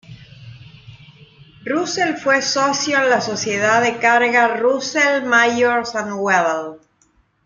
Russell fue socio en la sociedad de carga Russell, Majors and Waddell.